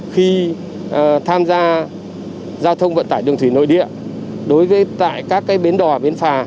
khi tham gia giao thông vận tải đường thủy nội địa đối với tại các bến đò bến phà